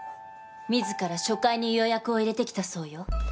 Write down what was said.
自ら初回に予約を入れてきたそうよ。